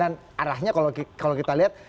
dan arahnya kalau kita lihat